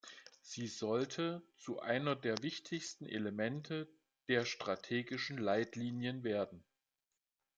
Sie sollte zu einem der wichtigsten Elemente der strategischen Leitlinien werden.